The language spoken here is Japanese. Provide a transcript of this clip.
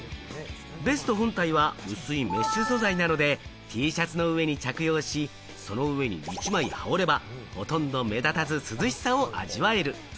ベスト本体は薄いメッシュ素材なので、Ｔシャツの上に着用し、その上に１枚羽織れば、ほとんど目立たず涼しさを味わえる。